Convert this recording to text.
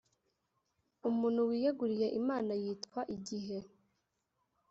umuntu wiyeguriye imana yitwa igihe